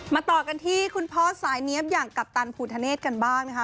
ต่อกันที่คุณพ่อสายเนี๊ยบอย่างกัปตันภูทะเนธกันบ้างนะคะ